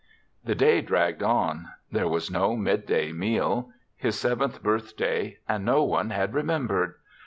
The day dragged on. There was no midday meal. His seventh birth day, and no one had remembered!